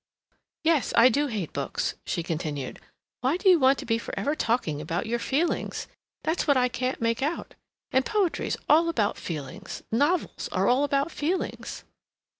"Yes, I do hate books," she continued. "Why do you want to be for ever talking about your feelings? That's what I can't make out. And poetry's all about feelings—novels are all about feelings."